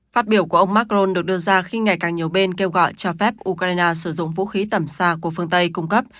phát biểu của ông macron được đưa ra khi ngày càng nhiều bên kêu gọi cho phép ukraine sử dụng vũ khí tầm xa của phương tây cung cấp